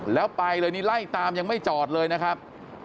แล้วไปเลยนี่ไล่ตามยังไม่จอดเลยนะครับ